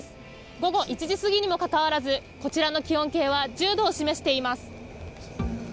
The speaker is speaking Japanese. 午後１時過ぎにもかかわらず、こちらの気温計は１０度を示しています。